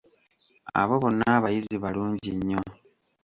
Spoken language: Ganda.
Abo bonna abayizi balungi nnyo.